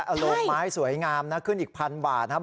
โรงไม้สวยงามนะขึ้นอีกพันบาทนะครับ